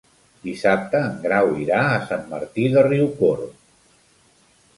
Dissabte en Grau irà a Sant Martí de Riucorb.